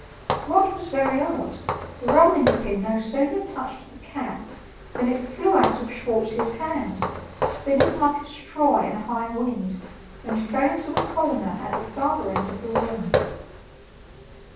What was very odd, the rolling pin no sooner touched the cap than it flew out of Schwartz's hand, spinning like a straw in a high wind, and fell into the corner at the further end of the room.